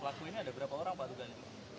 pelaku ini ada berapa orang pak tugasnya